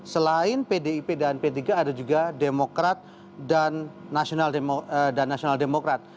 selain pdip dan p tiga ada juga demokrat dan nasional demokrat